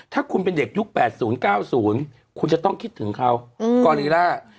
ถ้าคุณเป็นเด็กยุค๘๐๙๐คุณจะต้องคิดถึงเขากอลีล่า